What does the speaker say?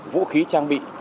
vũ khí trang bị